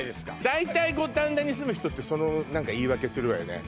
だいたい五反田に住む人ってその何か言い訳するわよね